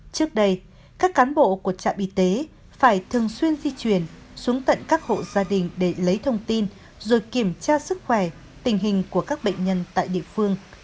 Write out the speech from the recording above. trước đây các cán bộ của trạm y tế phải thường xuyên di chuyển xuống tận các hộ gia đình để lấy thông tin rồi kiểm tra sức khỏe tình hình của các bệnh nhân tại địa phương